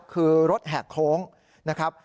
คือรถแหกโค้งนะครับ